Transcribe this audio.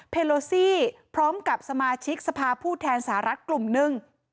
โลซี่พร้อมกับสมาชิกสภาผู้แทนสหรัฐกลุ่มหนึ่ง